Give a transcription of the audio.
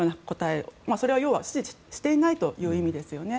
それは要は支持していないということですね。